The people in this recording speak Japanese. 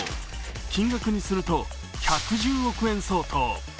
金額にすると１１０億円相当。